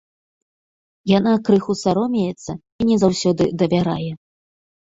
Яна крыху саромеецца і не заўсёды давярае.